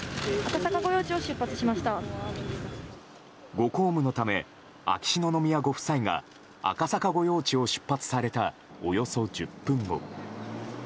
ご公務のため、秋篠宮ご夫妻が赤坂御用地を出発されたおよそ１０分後。